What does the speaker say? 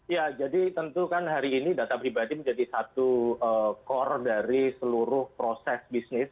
ya jadi tentu kan hari ini data pribadi menjadi satu core dari seluruh proses bisnis